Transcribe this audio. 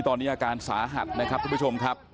ตอนนี้อาการสาหัสทุกประชมครับ